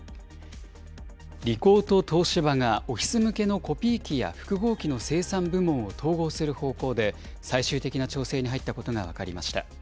リコーと東芝が、オフィス向けのコピー機や複合機の生産部門を統合する方向で、最終的な調整に入ったことが分かりました。